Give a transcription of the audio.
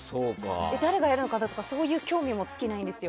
誰がやるのかとかそういう興味も尽きないんですよ。